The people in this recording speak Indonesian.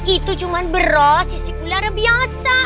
itu cuma beras sisi kular biasa